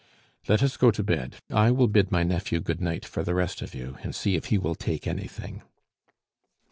"Let us go to bed. I will bid my nephew good night for the rest of you, and see if he will take anything."